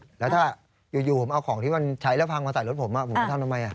ใช่อ่ะอยู่ผมเอาของที่มันใช้แล้วพังมาใส่รถผมอ่ะผมก็ทำทำไมอ่ะ